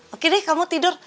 oke deh kamu tidur